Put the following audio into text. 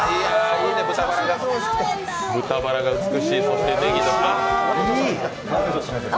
豚バラが美しい、そしてネギ。